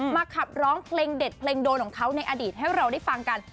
ขับร้องเพลงเด็ดเพลงโดนของเขาในอดีตให้เราได้ฟังกัน